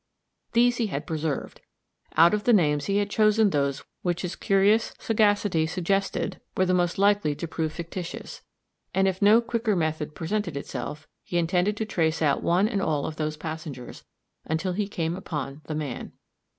These he had preserved. Out of the names, he had chosen those which his curious sagacity suggested were the most likely to prove fictitious, and, if no quicker method presented itself, he intended to trace out one and all of those passengers, until he came upon the man.